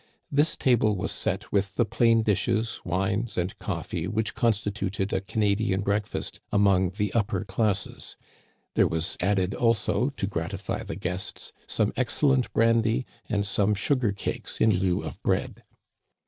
This table was set with the plain dishes, wines, and coffee which constituted a Canadian breakfast among the upper classes ; there was added also to gratify the guests some excellent brandy, and some sugar cakes in lieu of bread.